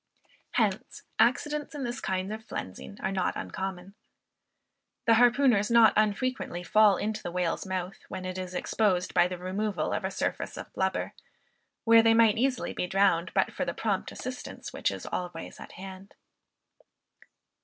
Hence accidents in this kind of flensing are not uncommon. The harpooners not unfrequently fall into the whale's mouth, when it is exposed by the removal of a surface of blubber; where they might easily be drowned, but for the prompt assistance which is always at hand.